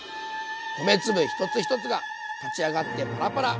米粒一つ一つが立ち上がってパラパラ。